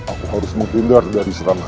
aku harus mempindah dari serangga